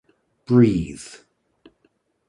Breathe.